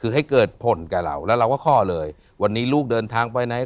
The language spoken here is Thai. คือให้เกิดผลกับเราแล้วเราก็คล่อเลยวันนี้ลูกเดินทางไปไหน